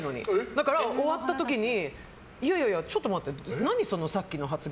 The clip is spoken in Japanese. だから、終わったあとにいやいや、ちょっと待って何、その発言。